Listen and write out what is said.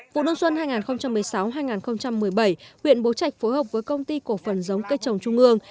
vụ đông xuân hai nghìn một mươi sáu hai nghìn một mươi bảy huyện bố trạch phối hợp với công ty cổ phần giống cây trồng trung ương